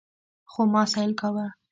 خو ما سيل کاوه.